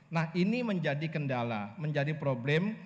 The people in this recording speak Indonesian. nah ini menjadi kendala menjadi problem